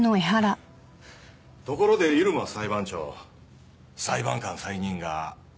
ところで入間裁判長裁判官再任が危ういとか。